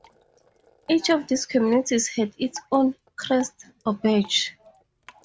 Each of these communities had its own crest or badge.